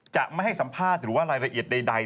จะไม่ให้สัมภาษณ์หรือว่ารายละเอียดใด